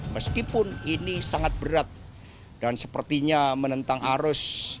meskipun ini sangat berat dan sepertinya menentang arus